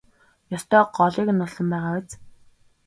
Ёстой голыг нь олсон байгаа биз?